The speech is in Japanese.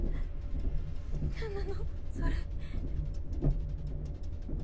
何なのそれ？